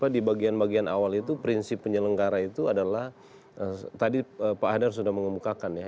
di bagian bagian awal itu prinsip penyelenggara itu adalah tadi pak hadar sudah mengemukakan ya